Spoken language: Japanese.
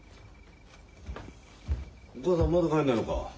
お母さんまだ帰んないのか？